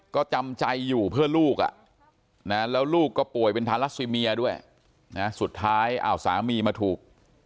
ก็จำใจอยู่เพื่อลูกแล้วลูกก็ป่วยเป็นทารัสซีเมียด้วยสุดท้ายอ้าวสามีมาถูก